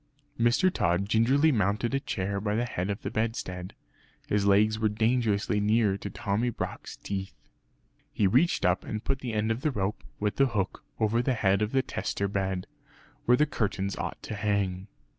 Mr. Tod gingerly mounted a chair by the head of the bedstead. His legs were dangerously near to Tommy Brock's teeth. He reached up and put the end of rope, with the hook, over the head of the tester bed, where the curtains ought to hang.